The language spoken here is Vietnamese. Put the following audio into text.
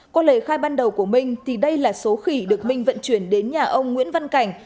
qua lời khai ban đầu của minh thì đây là số khỉ được minh vận chuyển đến nhà ông nguyễn văn cảnh